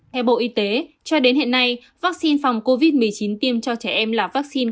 theo bộ y tế cho đến hiện nay vaccine phòng covid một mươi chín tiêm cho trẻ em là vaccine